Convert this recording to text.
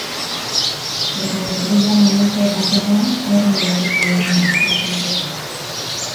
Edo ideia moduko bat da hor geratu zaiguna txertatuta.